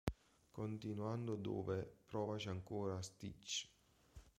Continuando dove "Provaci ancora Stitch!